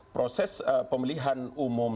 proses pemilihan umum